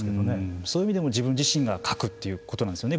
そういう意味でも自分自身がかくということなんですよね